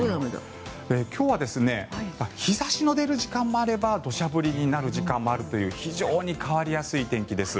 今日は日差しの出る時間もあれば土砂降りになる時間もあるという非常に変わりやすい天気です。